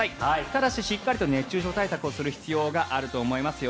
ただし、しっかりと熱中症対策をする必要があると思いますよ。